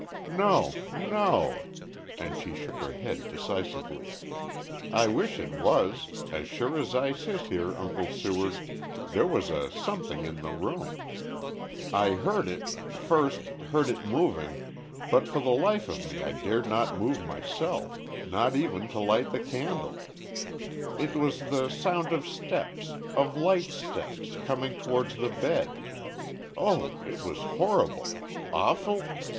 "No, no," and she shook her head, decisively. "I wish it was. As sure as I sit here, Uncle Seward, there was a Something in the room. I heard it first heard it moving, but for the life of me I dared not move myself, not even to light the candle. It was the sound of steps of light steps coming towards the bed. Oh, it was horrible awful?"